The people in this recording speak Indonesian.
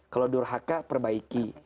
kalau durhaka perbaiki